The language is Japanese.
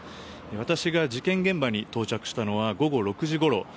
私が事件現場に到着したのは午後６時ごろ。